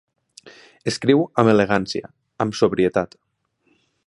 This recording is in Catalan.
Escriu amb elegància, amb sobrietat.